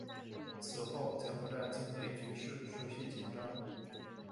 此后柬埔寨境内局势持续紧张。